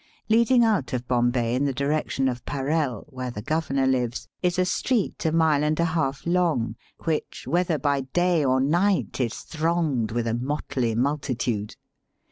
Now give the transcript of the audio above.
Leading out of Bombay in the direction of Parell, where the Governor lives, is a street a mile and a half long, which, whether by day or night, is thronged with a motley mul titude.